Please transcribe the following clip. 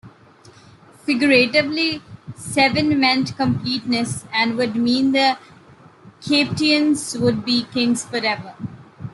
Figuratively, seven meant completeness, and would mean that the Capetians would be kings forever.